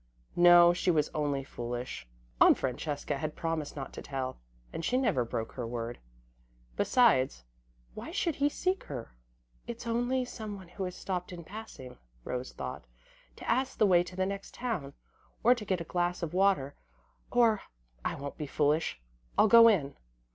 No, she was only foolish. Aunt Francesca had promised not to tell, and she never broke her word. Besides, why should he seek her? [Illustration: musical notation] "It's only someone who has stopped in passing," Rose thought, "to ask the way to the next town, or to get a glass of water, or I won't be foolish! I'll go in!"